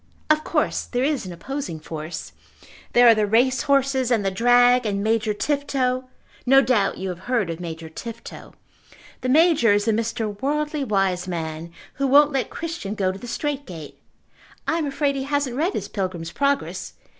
"Of course there is an opposing force. There are the race horses, and the drag, and Major Tifto. No doubt you have heard of Major Tifto. The Major is the Mr. Worldly Wiseman who won't let Christian go to the Strait Gate. I am afraid he hasn't read his Pilgrim's Progress.